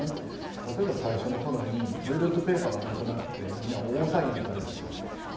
例えば最初の頃にトイレットペーパーがなくなって皆大騒ぎになったわけですよ。